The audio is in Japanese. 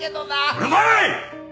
うるさい‼